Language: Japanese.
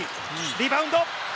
リバウンド。